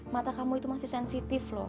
mata kamu itu masih sensitif loh